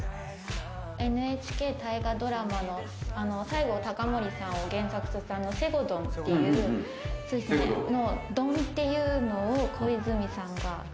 ＮＨＫ大河ドラマの西郷隆盛さんを原作にした『西郷どん』っていうドラマの「どん」というのを小泉さんが。